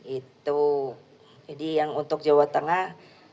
itu jadi yang untuk jawa tengah